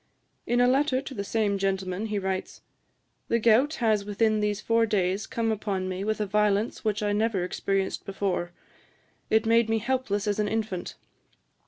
In a letter to the same gentleman he writes, 'The gout has within these four days come upon me with a violence which I never experienced before. It made me helpless as an infant.'